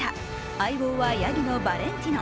相棒はやぎのバレンティノ。